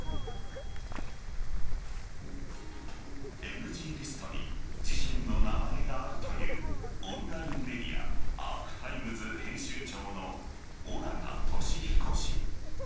ＮＧリストに自身の名前があるというオンラインメディアＡｒｃＴｉｍｅｓ編集長の尾形聡彦氏。